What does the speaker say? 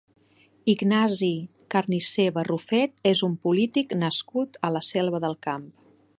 Ignasi Carnicer Barrufet és un polític nascut a la Selva del Camp.